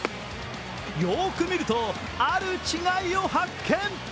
よく見ると、ある違いを発見。